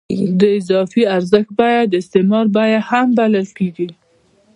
د اضافي ارزښت بیه د استثمار بیه هم بلل کېږي